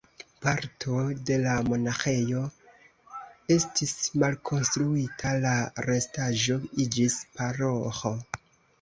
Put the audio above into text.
Parto de la monaĥejo estis malkonstruita, la restaĵo iĝis paroĥo.